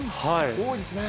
多いですね！